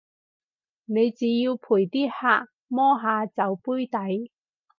你只要陪啲客摸下酒杯底